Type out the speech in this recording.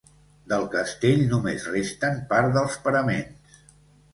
Del castell només resten part dels paraments.